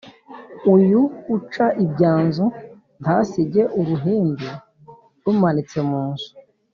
uyu uca ibyanzu ntasige uruhindu rumanitse mu nzu